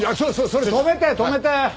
それ止めて止めて！